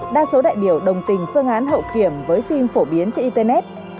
đa số đại biểu đồng tình phương án hậu kiểm với phim phổ biến trên internet